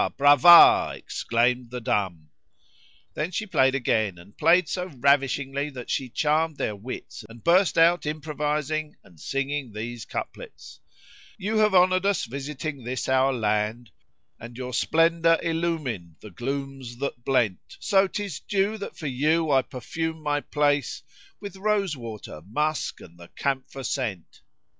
Brava! exclaimed the dumb." Then she played again and played so ravishingly, that she charmed their wits and burst out improvising and singing these couplets, "You have honoured us visiting this our land, * And your splendour illumined the glooms that blent: So 'tis due that for you I perfume my place * With rose water, musk and the camphor scent!"